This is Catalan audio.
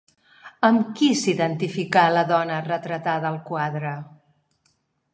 Amb qui s'identificà la dona retratada al quadre?